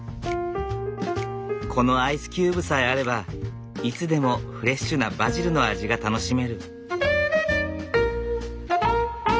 このアイスキューブさえあればいつでもフレッシュなバジルの味が楽しめる。